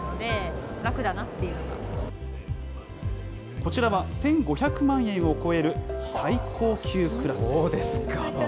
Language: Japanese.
こちらは１５００万円を超える最高級クラスです。